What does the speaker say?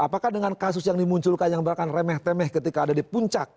apakah dengan kasus yang dimunculkan yang bahkan remeh temeh ketika ada di puncak